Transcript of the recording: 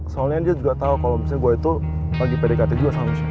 soalnya dia juga tau kalo misalnya gua itu lagi pdkt juga sama michelle